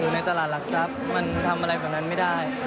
ในตลาดหลักทรัพย์มันทำอะไรกว่านั้นไม่ได้